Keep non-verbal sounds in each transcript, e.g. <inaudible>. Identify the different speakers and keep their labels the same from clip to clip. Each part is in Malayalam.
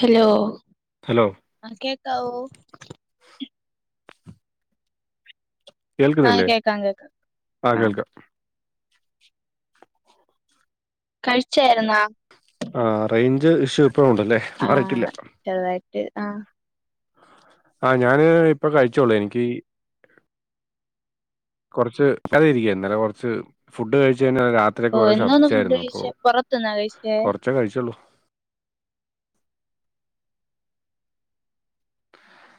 Speaker 1: ഹലോ
Speaker 2: ഹലോ
Speaker 1: ആ കേക്കാവൊ ആഹ്
Speaker 2: കേൾക്കുന്നില്ലേ
Speaker 1: കേക്കാം കേക്കാം
Speaker 2: ആ
Speaker 1: ആഹ്
Speaker 2: കേൾക്കാം
Speaker 1: കഴിച്ചായിരുന്നാ?
Speaker 2: ആ റേഞ്ച് ഇഷ്യു ഇപ്പഴും ഉണ്ടല്ലേ?
Speaker 1: ആ
Speaker 2: മാറിയിട്ടില്ല
Speaker 1: ചെറുതായിട്ട് ആ
Speaker 2: ആ ഞാന് ഇപ്പ കഴിച്ചൊള്ളു എനിക്കീ കൊറച്ച് അതി ഇരിക്കെ ഇന്നലെ കൊറച്ച് ഫുഡ് കഴിച്ച് കഴിഞ്ഞ രാത് ത്രി
Speaker 1: ഓ
Speaker 2: കൊറേ
Speaker 1: എന്തോന്ന് ഫുഡ്
Speaker 2: ശർദ്ദിച്ചായിരുന്നു അപ്പൊ
Speaker 1: കഴിച്ചേ പുറത്തുന്നാ കഴിച്ചേ
Speaker 2: കൊറച്ചേ കഴിച്ചുള്ളൂ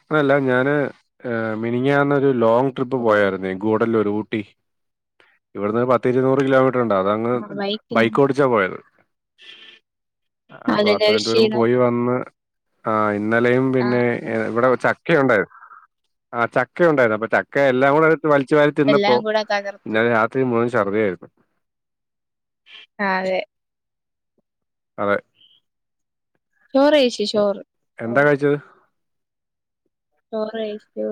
Speaker 2: ഇപ്പൊഴല്ല ഞാന് ഏ മിനിഞ്ഞാന്നൊരു ലോങ് ട്രിപ്പ്
Speaker 1: ഓ
Speaker 2: പോയാരുന്നേ ഗൂഡല്ലൂര്, ഊട്ടി ഇവിടുന്ന് പത്ത് ഇരുനൂറ് കിലോമീറ്റർ ഉണ്ട് അതങ്ങ്
Speaker 1: ആഹ് ബൈക്കിലാണ്
Speaker 2: ബൈക്ക് ഒടി ച്ച പോയത് അപ്പൊ
Speaker 1: അതിന്റെ ഒരു
Speaker 2: അത്രയും ദൂരം
Speaker 1: ക്ഷീണം
Speaker 2: പോയി വന്ന് ആ ഇന്നലെയും
Speaker 1: ആഹ്
Speaker 2: പിന്നെ
Speaker 1: ആഹ്
Speaker 2: ഇവിടെ വെ ചക്കയുണ്ടായി ആ ചക്ക ഉണ്ടായിരുന്നു അപ്പൊ ചക്ക എല്ലാം കൂടെ എട് വലിച്ചു വാരി തിന്നപ്പൊ
Speaker 1: എല്ലാം കൂടെ തകർത്തു
Speaker 2: ഇന്നാലെ രാത്രി മഴുവൻ ചർദിയായിരുന്നു
Speaker 1: ആ അതെ
Speaker 2: അതെ
Speaker 1: ചോറെയ്ച്ച് ചോറ്
Speaker 2: എന്താ
Speaker 1: ചോറ്
Speaker 2: കഴിച്ചത്
Speaker 1: ചോറ് കഴിച്ചു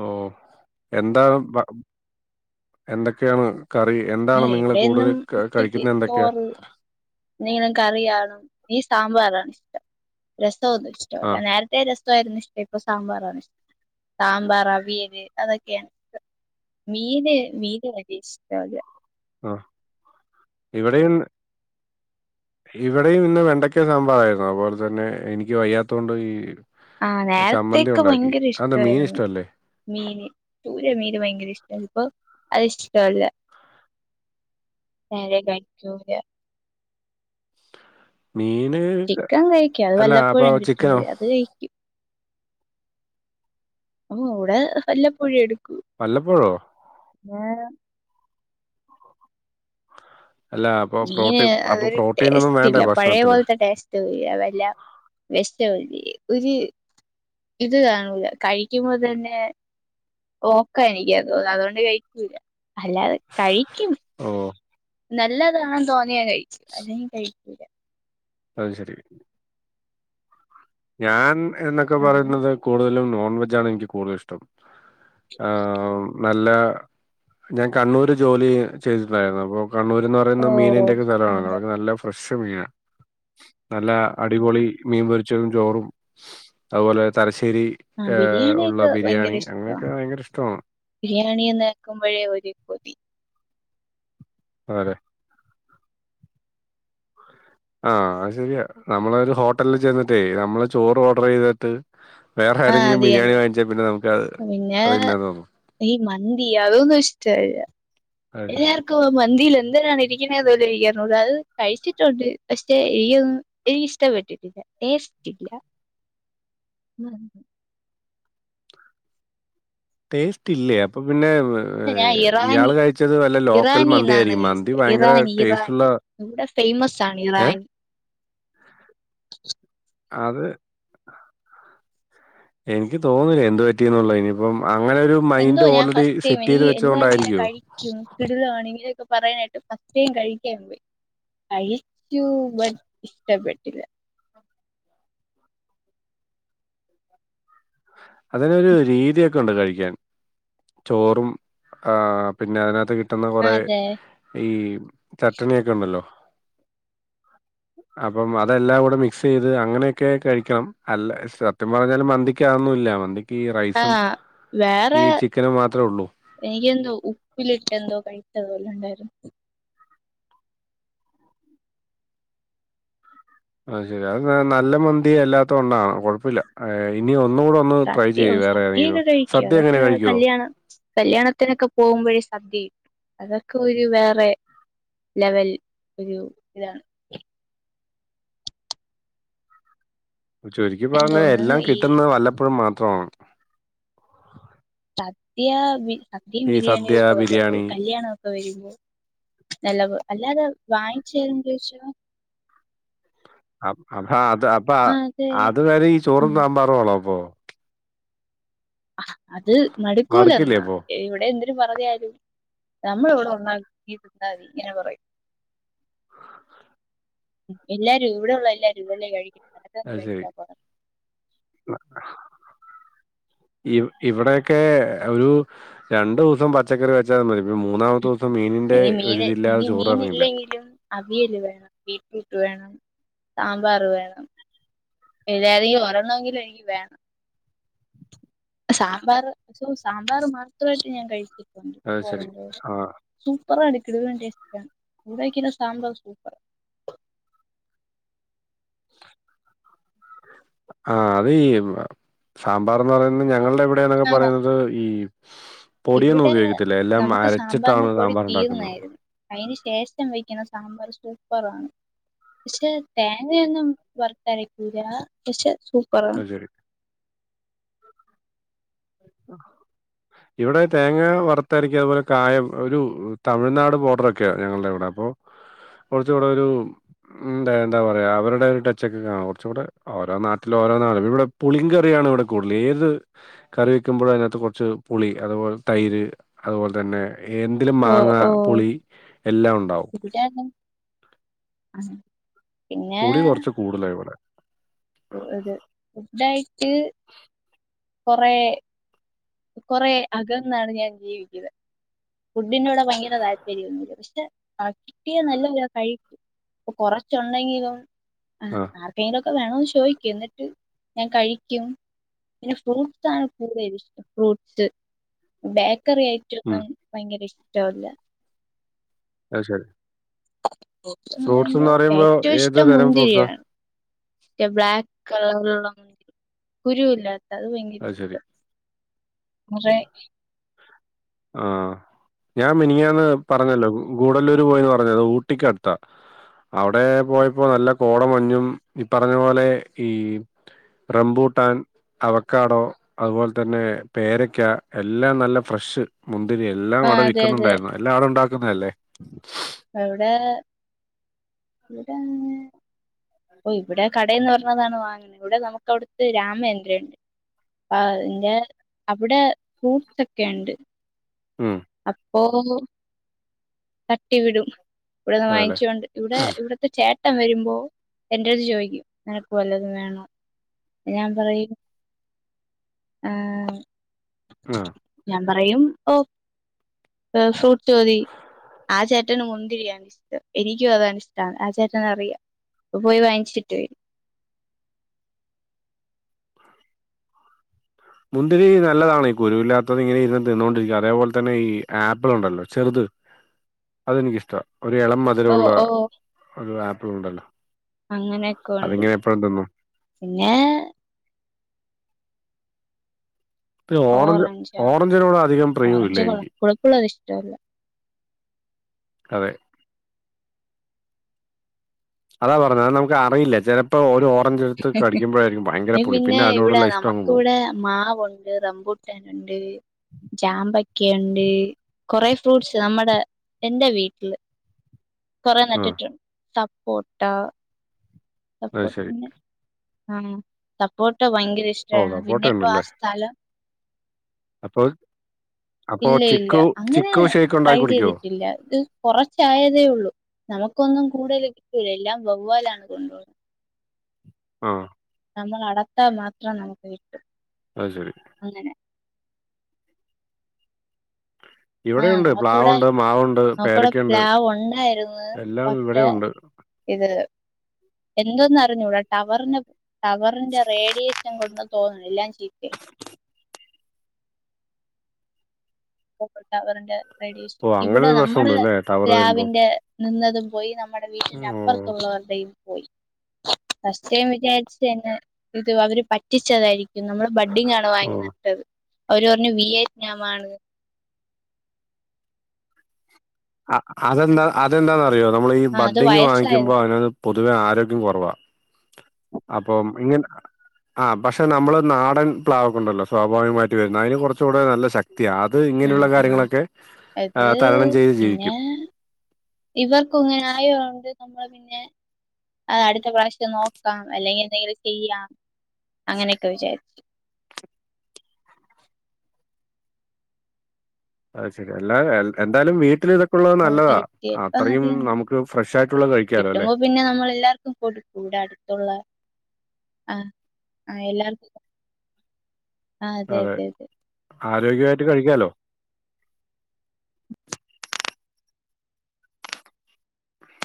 Speaker 2: ഓ എന്താണ് ബ എന്തൊക്കെയാണ് കറി? എന്താണ്
Speaker 1: ആഹ്
Speaker 2: നിങ്ങൾ
Speaker 1: ഇവിടെന്നും
Speaker 2: കൂടുതൽ
Speaker 1: ഉച്ചക്ക്
Speaker 2: കഴിക്കുന്നത് എന്തൊക്കെയാ?
Speaker 1: ചോറ് എന്തെങ്കിലും കറികാണും ഈ സാമ്പാറാണ് ഇഷ്ടം രസം ഒന്നും ഇഷ്ട
Speaker 2: ആ
Speaker 1: അല്ല നേര് റ്റേ രസായിരുന്നു ഇഷ്ട ഇപ്പ സാമ്പാറാണ് ഇഷ് സാമ്പാർ അവിയല് അത് ഒക്കെ ആണ് മീന് മീന് വല്ല്യ ഇഷ്ടവല്ല
Speaker 2: ആ ഇവിടെ ഇന്ന് ഇവിടെ ഇന്ന് വെണ്ടക്ക സാമ്പാറായിരുന്നു അതുപോലെ തന്നെ എനിക്ക് വയ്യാത്ത കൊണ്ട് ഈ
Speaker 1: ആ
Speaker 2: ചമ്മന്തി
Speaker 1: നേരത്തെക്കെ
Speaker 2: ഉണ്ടാക്കി
Speaker 1: ഭയങ്കര
Speaker 2: അതെന്താ മീൻ
Speaker 1: ഇഷ്ടായിരുന്ന്
Speaker 2: ഇഷ്ടല്ലേ
Speaker 1: മീന് ചൂര മീന് ഭയങ്കര ഇഷ്ട ഇപ്പൊ അത് ഇഷ്ടോല്ല നേരെ കയിക്കൂല്ല
Speaker 2: മീന്
Speaker 1: ചിക്കൻ കയിക്കും അത്
Speaker 2: അല്ല അപ്പൊ
Speaker 1: വല്ലപ്പോഴും
Speaker 2: ചിക്കനോ
Speaker 1: കിട്ടണതെ അത് കയി ഓ ഊടെ വല്ലപ്പോഴും എടുക്കു
Speaker 2: വല്ലപ്പോഴോ
Speaker 1: നേരം
Speaker 2: അല്ല അപ്പൊ
Speaker 1: മീന്
Speaker 2: പ്രോട്ടീൻ അപ്പൊ
Speaker 1: അതൊരു
Speaker 2: പ്രോട്ടീൻ ഒന്നും
Speaker 1: ടേസ്റ്റ്
Speaker 2: വേണ്ടേ
Speaker 1: ഇല്ല പഴയ
Speaker 2: ഭക്ഷണത്തില്
Speaker 1: പോലത്തെ ടേസ് <unintelligible> ഒരു ഇത് കാണൂല കഴിക്കുമ്പൊ തന്നെ ഒക്കാനിക്കും അതോന്നും അത് കൊണ്ട് കയിക്കൂല അല്ലാതെ കയിക്കും
Speaker 2: ഓഹ്
Speaker 1: നല്ലതാന്ന് തോന്നിയാ കയിക്കും അല്ലെങ്കി കയിക്കൂല്ല
Speaker 2: അത് ശരി ഞാൻ എന്ന് ഒക്കെ
Speaker 1: അങ്ങനെ
Speaker 2: പറയുന്നത് കൂടുതലും നോൺ വെജ് ആണ് എനിക്ക് കൂടുതല് ഇഷ്ടം ആഹ് നല്ല ഞാൻ കണ്ണൂര് ജോലി ചെയ്യ് ചെയ്തിട്ട്ണ്ടായിരുന്നു അപ്പോ കണ്ണൂര്ന്ന്
Speaker 1: ഓ
Speaker 2: തന്ന മീനിന്റെ എക്കെ സ്ഥലാണല്ലോ
Speaker 1: അതിന്റെ
Speaker 2: അവിടെക്കെ നല്ല ഫ് ഫ്രഷ് മീനാ നല്ല അടിപൊളി മീൻ പൊര് ച്ചതും ചോറും അഅ്പോലെ തലശ്ശേരി
Speaker 1: ആ
Speaker 2: ഹേ ഒള്ള
Speaker 1: ബിരിയാണിയൊക്കെ
Speaker 2: ബിരിയാണി അങ്ങനെ ഒക്കെ ഭയങ്കര ഇഷ്ടോണ്
Speaker 1: ബിരിയാണീന്ന് കേക്കുമ്പഴേ ഒര് കൊതി
Speaker 2: ആല്ലെ ആഹ് അത് ശരിയാ നമ്മള് ഒരു ഹോട്ടല്ല് ചെന്നിട്ടേ നമ്മള് ചോറ് ഓർഡ്റെയ്തിട്ട് വേറെ
Speaker 1: ആ
Speaker 2: ആരെങ്കിലും
Speaker 1: അത്
Speaker 2: ബിരിയാണി
Speaker 1: തന്നെ
Speaker 2: വാങ്ങിച്ചാ പിന്നെ നമ
Speaker 1: പിന്നെ ഈ മന്തി അത് ഒന്നും ഇഷ്ട അല്ല
Speaker 2: അതെ.
Speaker 1: എല്ലാർ ക്കും മന്തിയില് എന്തോരാന്ന് ഇരിക്കുന്നത് പോലും എനിക്ക് അറിഞ്ഞുടാ അത് കഴിച്ചിട്ടുണ്ട് പക്ഷേ ഇയിമു- എനിക്ക് ഇഷ്ടപ്പെട്ടിട്ടില്ല ടേസ്റ്റ് ഇല്ല
Speaker 2: ടേസ്റ്റ് ഇല്ലേ അപ്പൊ പിന്നെ
Speaker 1: ഞാൻ
Speaker 2: ഏ്
Speaker 1: ഇറാനി
Speaker 2: ഇയാള് കഴിച്ചത് വല്ല ലോക്കൽ
Speaker 1: ഇറാനി എന്നാണ്
Speaker 2: മന്തിയായിരിക്കും മന്തി
Speaker 1: കഴിച്ചത്
Speaker 2: ഭയങ്കര
Speaker 1: ഇറാനി
Speaker 2: ടേസ്റ്റ്
Speaker 1: ഇറാനി
Speaker 2: ഉള്ള
Speaker 1: ഇവിടെ ഫെയ്മസ് ആണ് ഇറാനി
Speaker 2: <inaudible> അത് എനിക്ക് തോന്ന്ണ് എന്തു പറ്റിയെന്ന്ഒള്ളേന് ഇനിയിപ്പം അങ്ങനെ ഒരു
Speaker 1: എന്തോ
Speaker 2: മൈൻഡ് ഓൾറെഡി സെറ്റെയ്ത് വെച്ചതോണ്ട് ആയിരിക്കോ
Speaker 1: <unintelligible> വെണെങ്കില് ഒക്കെ പറയാനായിട്ട് ഫസ്റ്റ് ടൈം കഴിക്കാൻ പോയി അയ്ക്കു ബേ ഇഷ്ട്ടപ്പെട്ടില്ല
Speaker 2: <inaudible> അതിന് ഒരു രീതി ഒക്കെ ഉണ്ട് കഴിക്കാൻ ചോറും ആഹ് പിന്നെ അതിനാത്ത് കിട്ടുന്ന കൊറേ
Speaker 1: അതെ
Speaker 2: ഈ ചട്ട്ണി ഒക്കെ ഉണ്ടല്ലോ അപ്പം അത് എല്ലാം കൂടെ മിക്സ് ചെയ്ത് അങ്ങനെ എക്കെ കഴിക്കാം അല്ല സത്യം പറഞ്ഞാല് മന്തി ക്കാന്നും ഇല്ല മന്തിക്ക് ഈ റൈസും
Speaker 1: ആഹ്
Speaker 2: ഈ ചിക്കനും മാത്രേ ഒള്ളൂ
Speaker 1: എനിക്ക് എന്തോ ഉപ്പിലിട്ട് എന്തോ കഴിച്ചതോല്ല ഒണ്ടായിരുന്നു
Speaker 2: അഹ് ശരി അഅ് ന നല്ല മന്തി അല്ലാത്ത കൊണ്ടാണ് കൊഴപ്പവില്ല ഇനി ഒന്നൂടെ ന്ന് ട്രൈ
Speaker 1: സദ്യ
Speaker 2: ചെയ്യു വേറെ
Speaker 1: സദ്യയൊക്കെ
Speaker 2: ഏതെങ്കിലും
Speaker 1: കഴിക്കും
Speaker 2: സദ്യ എങ്ങനെ
Speaker 1: അതൊക്കെ
Speaker 2: കഴിക്ക്യോ
Speaker 1: കല്യാണം കല്യാണത്തിനൊക്കെ പോവുമ്പഴേ സദ്യഴിക്കും അതൊക്കെ ഒരു വേറെ ലെവൽ ഒരു ഇതാണ്
Speaker 2: ചുരുക്കി
Speaker 1: എനിക്ക്
Speaker 2: പർഞ്ഞാ
Speaker 1: തോന്നുന്നത്
Speaker 2: എല്ലാം
Speaker 1: ഈ
Speaker 2: കിട്ടുന്നത് വല്ലപ്പെഴും മാത്രമാണ്
Speaker 1: സദ്യ ബി സദ്യം
Speaker 2: ഈ
Speaker 1: ബിരിയാണിയും
Speaker 2: സദ്യ
Speaker 1: ഒക്കെ വല്ലപ്പഴെ
Speaker 2: ബിരിയാണി
Speaker 1: കല്യാണൊ വരുമ്പോ നല്ലപോ അല്ലാതെ വാങ്ങിച്ചേര്ന്ന് ചോ
Speaker 2: അപ്പ അത് അപ്പ
Speaker 1: ആഹ് അതെ
Speaker 2: അതു വരെ ഈ ചോറും
Speaker 1: ഉം
Speaker 2: സാമ്പാറും ഒള്ളോ അപ്പൊ
Speaker 1: അത്
Speaker 2: മടുക്കില്ലേ
Speaker 1: മട്ക്കൂലന്നാ
Speaker 2: അപ്പൊ
Speaker 1: ഇവിടേന്ത് പറഞ്ഞാലും നമ്മള് ഇവിടെ ഒന്നാകി തിന്നാതി ഇങ്ങനെ പറയും എല്ലാരും ഇവിടെ ഒള്ള എല്ലാരും ഇതഞ്ഞേ കഴിക്കു
Speaker 2: അഹ്ശെരി ഇ ഇവിടെക്കെ ഒരൂ രണ്ടു ദിവസം പച്ചക്കറി വെച്ചാൽ മതി പിന്നെ മൂന്നാമത്തെ ദിവസം മീനിന്റെ
Speaker 1: ഇനി
Speaker 2: ഒരു
Speaker 1: മീന്
Speaker 2: ഇത്‌ ഇല്ലാതെ
Speaker 1: ഇനി
Speaker 2: ചോറ് ഇറങ്ങില്ല
Speaker 1: മീനില്ലെങ്കിലും അവിയല് വേണം ബീറ്റ്റൂട്ട് വേണം സാമ്പാർ വേണം ഏതെങ്കിലും ഒരണമെങ്കിലും എനിക്ക് വേണം സാമ്പാറ് സോ സാമ്പാർ മാത്രയിട്ട് ഞാൻ കഴിച്ചിട്ടുണ്ട്
Speaker 2: അത് ശരി
Speaker 1: ചോറിന്റെ കൂടെ
Speaker 2: ആ
Speaker 1: സൂപ്പറ എടുക്കടു <unintelligible> ഇവെടെ വെക്കുന്ന സാമ്പാർ സൂപ്പറാ
Speaker 2: <inaudible> ആഹ് അത് ഈ സാമ്പാറ്ന്ന് പറയുന്നത് ഞങ്ങളുടെ ഇവിടെന്നൊക്കെ
Speaker 1: ആ
Speaker 2: പറയുന്നത് ഈ പൊടിയൊന്നും
Speaker 1: ഇവിടെ
Speaker 2: ഉപയോഗിക്കത്തില്ല എല്ലാം
Speaker 1: നമുക്ക്
Speaker 2: അരച്ചിട്ടാണ്
Speaker 1: സാമ്പാറിന്റെ പൊടി
Speaker 2: സാമ്പാർ ഉണ്ടാക്കുന്നത്
Speaker 1: തീർന്നായിരുന്നു അതിന് ശേഷം വെക്കുന്ന സാമ്പാർ സൂപ്പറാണ് പക്ഷെ തേങ്ങെയൊന്നും വർത്തരക്കൂല്ല പക്ഷെ സൂപ്പറാണ്
Speaker 2: അത് ശരി ഇവിടെ തേങ്ങ വറുത്തരക്കും അതുപോലെ കായം ഒരു തമിഴ്നാട് ബോർഡർ ഒക്കെയ ഞങ്ങളുടെ ഇവിടെ അപ്പോ കുറച്ചു കൂടെ ഒരു ഉം എന്ത എന്താ പറയാ അവരുടെ ഒരു ടച്ച് ഒക്കെ കാണാം കുറച്ചും കൂടെ ഓരോ നാട്ടിലും ഓരോ നാണ്ല്ലൊ ഇവിടെ പുളി കറിയാണ് ഇവിടെ കൂടുതൽ ഏത് കറി വെക്കുമ്പോ അതിനകത്ത് കൊറച്ച് പുളി അത്പോലെ തൈര് അത്പോലെതന്നെ എന്ത് ഇതിൽ
Speaker 1: ഓ
Speaker 2: മാങ്ങ
Speaker 1: ഓ
Speaker 2: പുളി എല്ലാം ഉണ്ടാവും
Speaker 1: <unintelligible> പിന്നെ
Speaker 2: കൂടുതല ഇവടെ
Speaker 1: അതെ ഫുഡായിട്ട് കൊറേ കൊറെ അകന്നാണ് ഞാൻ ജീവിക്കുന്നത് ഫുഡിന്നോട് ഭയങ്കര താല്പര്യൊന്നുമില്ല പക്ഷെ കിട്ടിയ നല്ല ഞാൻ കഴിക്കും അപ്പൊ കൊറച്ചൊള്ളെങ്കിലോ ആഹ്
Speaker 2: ആ
Speaker 1: ആഹ് മീനൊക്കെ വേണോന്ന് ചോദിക്കും എന്നിട്ട് ഞാൻ കഴിക്കും പിന്നെ ഫ്രൂട്ടസ് ആണ് കൂടുതൽ ഇഷടം ഫ്രൂട്ട്സ് ബേക്കറി ആയിട്ട്
Speaker 2: ഉം
Speaker 1: മറ്റൊന്നും ഭയങ്കര ഇഷ്ടമല്ല
Speaker 2: അത് ശരി ഫ്രൂട്ട്സ് എന്ന് പറയുമ്പോ ഏത് തരം ഫ്രൂട്ടസാ
Speaker 1: മറ്റെ ബ്ലാക്ക് കളറിലുള്ള കുരുവില്ലാത്ത അത് ഭയങ്കര ഇഷ്ട <unintelligible>
Speaker 2: ആഹ് ഞാൻ മിനിന്നാന്ന് പറഞ്ഞല്ലോ ഗൂഡല്ലൂര് പോയിന്ന് പറഞ്ഞത് അത് ഊട്ടിക്കടുത്താ അവിടെ പോയപ്പോ നല്ല കോട മഞ്ഞും ഈ പറഞ്ഞ പോലെ ഈ റംബൂട്ടാൻ അവക്കാടോ അതുപോലെ തന്നെ പേരക്ക എല്ലാം നല്ല ഫ്രഷ് മുന്തിരി എല്ലാം
Speaker 1: ആ
Speaker 2: അവിടെ വിൽക്കുന്നുണ്ടായിരുന്നു എല്ലാം അവിടെ ഉണ്ടാക്കുന്നതല്ലേ
Speaker 1: എവിടെ ഇവിടെന്ന് ഓ ഇവിടെ കടെന്ന് വരണതാണ് വാങ്ങണ ഇവിടെ നമുക്ക് അവിടുത്തെ രാമേന്ദ്രൻ അതിന്റെ അവിടെ ഫ്രൂട്ട്സ് ഒക്കെ ഉണ്ട്
Speaker 2: ഉം
Speaker 1: അപ്പൊ തട്ടി വിടും ഇവിടെന്ന്
Speaker 2: അതല്ലേ
Speaker 1: വാങ്ങിച്ചൊണ്ട് ഇവിടെ ഇവിടത്തെ ചേട്ടം വരുമ്പോ എന്റ അടുത്ത് ചോദിക്കും നിനക്ക് വല്ലതും വേണോ ഞാൻ പറയും ആഹ്
Speaker 2: ആഹ്
Speaker 1: ഞാൻ പറയും ഒ ഏഹ് ഫ്രൂട്ട് മതി ആ ചേട്ടന് മുന്തിരിയാണ് ഇഷ്ടം, എനിക്കും അതാണ് ഇഷ്ടം. ആ ചേട്ടന് അറിയാം. അപ്പ പോയി വാങ്ങിച്ചിട്ട് വരും
Speaker 2: മുന്തിരി നല്ലതാണ്. ഈ കുരുവില്ലാത്തത് ഇങ്ങനെ ഇരുന്ന് തിന്നുകൊണ്ടിരിക്കാം. അതേപോലെ തന്നെ ഈ ആപ്പിൾ ഉണ്ടല്ലോ ചെറുത് അതെനിക്കിഷ്ടാ. ഒരു എളം മ
Speaker 1: ഓ
Speaker 2: ധുരമുള്ള
Speaker 1: ഓ
Speaker 2: ഒരു ആപ്പിൾ ഉണ്ടല്ലോ.
Speaker 1: അങ്ങനെയൊക്കെ ഉണ്ട്
Speaker 2: അതിങ്ങനെ എപ്പോഴും തിന്നും
Speaker 1: പിന്നെ
Speaker 2: പിന്നെ ഓറഞ്ച്
Speaker 1: ഓറഞ്ചാ.
Speaker 2: ഓറഞ്ചിനോട് അധികം പ്രിയമില്ല
Speaker 1: ഓറഞ്ച് കള
Speaker 2: എനിക്ക്
Speaker 1: പുളിപ്പുള്ളത് ഇഷ്ടല്ല.
Speaker 2: അതെ അതാ പറഞ്ഞത് അത് നമക്ക് അറിയില്ല. ചെല പ്പ ഒരു ഓറഞ്ച് എടുത്ത് കടിക്കുമ്പഴായിരിക്കും ഭയങ്കര പുളി. പിന്നെ അതിനോടുള്ള ഇഷ്‌ടം അങ്ങ് പോവും
Speaker 1: മാവൊണ്ട്. റമ്പൂട്ടാന്ണ്ട് ജാമ്പക്കയുണ്ട്. കൊറെ ഫ്രൂട്ട്സ്. നമ്മടെ എന്റെ വീട്ടില് കൊറെ
Speaker 2: ആ
Speaker 1: നട്ടിട്ടുണ്ട്. സപ്പോട്ട
Speaker 2: അത്
Speaker 1: സപ്പോട്ട
Speaker 2: ശരി
Speaker 1: പിന്നെ ആഹ് സപ്പോട്ട ഭയങ്കര ഇഷ്
Speaker 2: ഓ
Speaker 1: ടാണ്
Speaker 2: സപ്പോട്ട
Speaker 1: പിന്നെ ഇപ്പ ആ
Speaker 2: ഉണ്ടല്ലേ
Speaker 1: സ്ഥലം
Speaker 2: അപ്പോ അപ്പോ
Speaker 1: ഇല്ല ഇല്ല.
Speaker 2: ചിക്കു
Speaker 1: അങ്ങനെ
Speaker 2: ചിക്കു ഷേക്ക്
Speaker 1: ട്രൈ
Speaker 2: ഉണ്ടാക്കി കുടിക്കുവോ
Speaker 1: ചെയ്തിട്ടില്ല. ഇത് കൊറച്ചായതേ ഒള്ളൂ. നമുക്കൊന്നും കൂടുതല് കിട്ടൂല. എല്ലാം വവ്വാലാണ് കൊണ്ടപോവുന്നത്
Speaker 2: ആഹ്
Speaker 1: നമ്മള് അടർത്താ മാത്രം നമുക്ക് കിട്ടും.
Speaker 2: അത് ശരി
Speaker 1: അങ്ങനെ ആഹ്
Speaker 2: ഇവിടെയുണ്ട്
Speaker 1: നമ്മക്ക് വടെ,
Speaker 2: പ്ലാവുണ്ട് മാവുണ്ട്
Speaker 1: നമ്മക്ക് വടെ
Speaker 2: പേരക്കയുണ്ട്
Speaker 1: പ്ലാവ് ഒണ്ടായിരുന്ന്
Speaker 2: എല്ലാം
Speaker 1: പക്ഷേ
Speaker 2: ഇവിടെയുണ്ട്
Speaker 1: ഇത് എന്തോന്നാ അറിഞ്ഞൂടാ. ടവറിന് ടവറിന്റെ റേഡിയേഷൻ കൊണ്ട് തോന്നണ് എല്ലാം ചീത്തയായി. <unintelligible> ടവറിന്റെ റേഡിയേഷൻ
Speaker 2: ഓ അങ്ങനെ
Speaker 1: ഇവിടെ
Speaker 2: ഒരു
Speaker 1: നമ്മടെ
Speaker 2: പ്രശ്നമുണ്ട് അല്ലേ ടവർ വരുമ്പോ
Speaker 1: പ്ലാവിന്റെ നിന്നതും പോയി. നമ്മടെ വീട്ടിന്റെ
Speaker 2: ഓ
Speaker 1: അപ്പുറത്തുള്ളവരുടെയും പോയി. ഫസ്റ്റ് ടൈം വിചാരിച്ച് തന്നെ ഇത് അവര് പറ്റിച്ചതായിരിക്കും. നമ്മള് ബഡിംങ് ആണ്
Speaker 2: ഓ
Speaker 1: വാങ്ങി നട്ടത്. അവര് പറഞ്ഞു വിയറ്റ്നാമാണ് എന്ന്.
Speaker 2: അഹ് അതെന്താ അതെന്താന്നറിയോ? നമ്മൾ ഈ
Speaker 1: ആഹ് അത്
Speaker 2: ബഡിങ്ങ്
Speaker 1: വയസ്സായത്
Speaker 2: വാങ്ങിക്കുമ്പോ അതിനകത്ത് പൊതുവെ ആരോഗ്യം കൊറവാ. അപ്പം ഇങ്ങനെ ആഹ് പക്ഷേ നമ്മളെ നാടൻ പ്ലാവക്കുണ്ടല്ലോ. സ്വാഭാവികമായിട്ട് വരുന്ന അതിന് കൊറച്ചു കൂടെ നല്ല ശക് ക്ത്യാ. അത് ഇങ്ങനെയുള്ള
Speaker 1: ആഹ് ആഹ്
Speaker 2: കാര്യങ്ങളൊക്കെ
Speaker 1: അത്
Speaker 2: ഏഹ് തരണം ചെയ്യേം ജീവി
Speaker 1: ഇവർക്കുങ്ങന ആയോണ്ട് നമ്മള് പിന്നെ ആഹ് അടുത്ത പ്രാവശ്യം നോക്കാം. അല്ലെങ്കിൽ എന്തെങ്കിലും ചെയ്യാം. അങ്ങനെയൊക്കെ വിചാരിച്ചു.
Speaker 2: അത് ശരി. അല്ലാതെ എന്തായാലും വീട്ടിൽ ഇതൊ ക്കുള്ളത് നല്ലതാ.
Speaker 1: ഹെൽത്തി ആയിട്ട് ആ അത്
Speaker 2: അത്രയും
Speaker 1: തന്നെ
Speaker 2: നമുക്ക് ഫ്രഷ് ആയിട്ടുള്ളത് കഴിക്കാലോല്ലേ?
Speaker 1: കിട്ടുമ്പോ പിന്നെ നമ്മള് എല്ലാവർക്കും കൊടുക്കും. ഇവിടെ അടുത്തുള്ള ആഹ് ആഹ് എല്ലാർക്കും. ആഹ് അതെ അതെ അതെ
Speaker 2: ആരോഗ്യമായിട്ട് കഴിക്കാലോ.